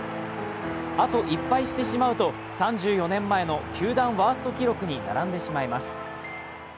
あと１敗してしまうと３４年前の球団ワースト記録に並んでしまいます。